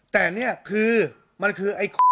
แต่เนี่ยคือมันคือไอ้บอลถูกไหม